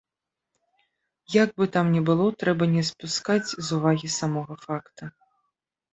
Як бы там ні было, трэба не спускаць з увагі самога факта.